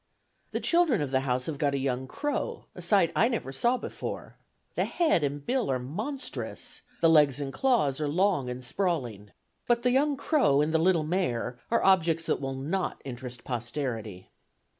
The children of the house have got a young crow, a sight I never saw before; the head and bill are monstrous; the legs and claws are long and sprawling. But the young crow and the little mare are objects that will not interest posterity."